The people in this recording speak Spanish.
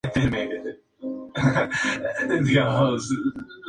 La tripulación experimenta en la modernidad la milenaria tradición de la gente de mar.